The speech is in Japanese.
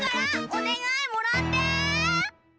おねがいもらって！